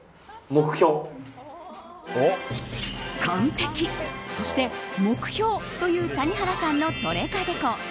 完璧、そして目標という谷原さんのトレカデコ。